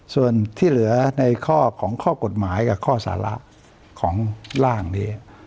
ส่วนที่เหลือในข้อของข้อกฎหมายกับข้อสาระของร่างนี้